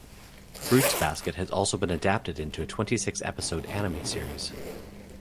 "Fruits Basket" has also been adapted into a twenty-six-episode anime series.